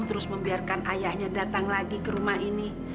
terus membiarkan ayahnya datang lagi ke rumah ini